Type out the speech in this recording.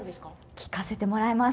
聞かせてもらえます。